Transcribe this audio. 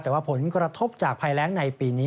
แต่ว่าผลกระทบจากภัยแรงในปีนี้